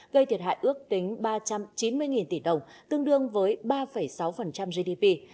gây thiệt hại ước tính ba trăm chín mươi tỷ đồng tương đương với ba sáu gdp